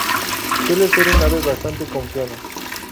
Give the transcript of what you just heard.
Suele ser un ave bastante confiada.